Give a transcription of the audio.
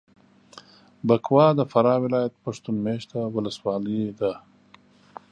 بکوا د فراه ولایت پښتون مېشته ولسوالي ده.